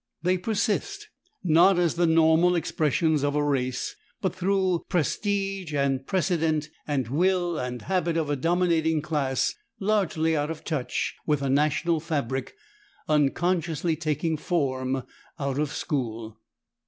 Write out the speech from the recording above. They persist, not as the normal expressions of a race, ... but through prestige and precedent and the will and habit of a dominating class largely out of touch with a national fabric unconsciously taking form out of school."